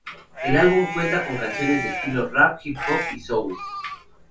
El álbum cuenta con canciones de estilo "rap", "hip hop" y "soul".